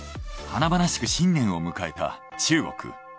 華々しく新年を迎えた中国。